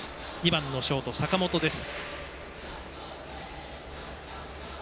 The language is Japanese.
２番のショート、坂本です。